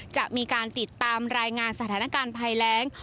จะมีการติดตามรายงานสถานการณ์ภัยแรง